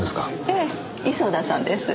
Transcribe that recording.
ええ磯田さんです。